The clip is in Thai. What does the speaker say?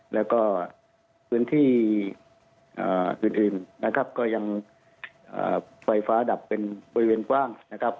แล้วก็พื้นที่อื่นนะครับก็ยังไฟฟ้าดับเป็นบริเวณกว้างนะครับ